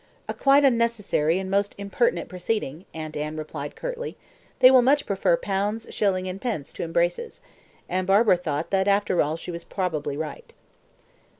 "A quite unnecessary and most impertinent proceeding," Aunt Anne replied curtly. "They will much prefer pounds, shillings, and pence to embraces," and Barbara thought that after all she was probably right.